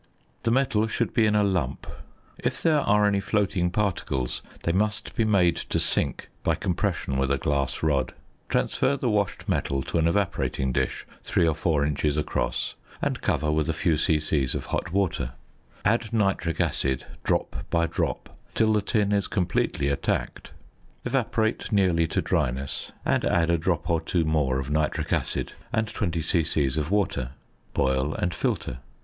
The metal should be in a lump; if there are any floating particles they must be made to sink by compression with a glass rod. Transfer the washed metal to an evaporating dish 3 or 4 in. across, and cover with a few c.c. of hot water. Add nitric acid drop by drop till the tin is completely attacked. Evaporate nearly to dryness, and add a drop or two more of nitric acid and 20 c.c. of water. Boil and filter.